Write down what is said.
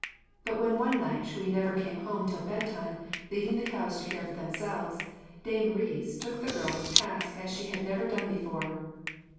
But when one night Shuï never came home till bed time, leaving the cows to care for themselves, dame Rhys took the girl to task as she never had done before.